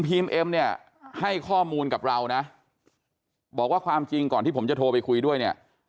เป็นผู้ชายทั้งสองคน